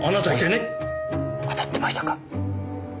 おや当たってましたか。